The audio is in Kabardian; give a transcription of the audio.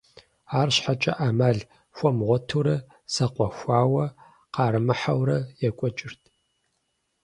АрщхьэкӀэ Ӏэмал хуамыгъуэтурэ, зэкъуэхуауэ къаӀэрымыхьэурэ екӀуэкӀырт.